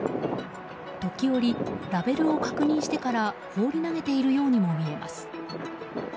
時折、ラベルを確認してから放り投げているようにも見えます。